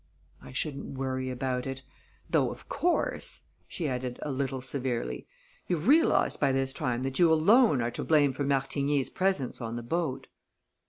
"I shouldn't worry about it; though, of course," she added a little severely, "you've realized by this time that you alone are to blame for Martigny's presence on the boat."